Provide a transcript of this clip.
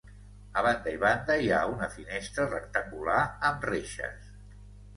A banda i banda hi ha una finestra rectangular amb reixes.